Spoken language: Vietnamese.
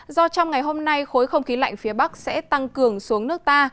do trong ngày hôm nay khối không khí lạnh phía bắc sẽ tăng cường xuống nước ta